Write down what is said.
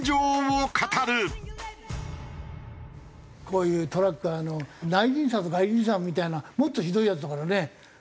こういうトラックは内輪差と外輪差みたいなもっとひどいやつだからね。